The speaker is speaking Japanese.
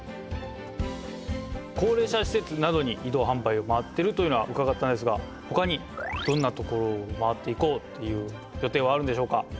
高齢者施設などに移動販売を回ってるというのはうかがったんですがほかにどんなところを回っていこうという予定はあるんでしょうか？